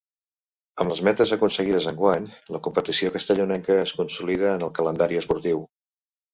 Amb les metes aconseguides enguany, la competició castellonenca es consolida en el calendari esportiu.